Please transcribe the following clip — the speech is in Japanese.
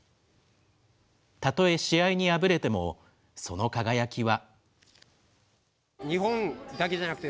たとえ試合に敗れてもその輝きは。